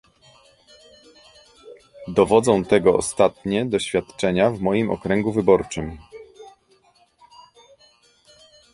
Dowodzą tego ostatnie doświadczenia w moim okręgu wyborczym